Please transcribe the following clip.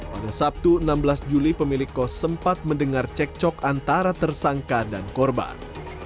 pada sabtu enam belas juli pemilik kos sempat mendengar cek cok antara tersangka dan korban